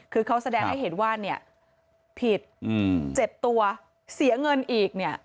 คือเขาแสดงให้เห็นว่าเนี่ยผิดเจ็บตัวเสียเงินอีกเนี่ย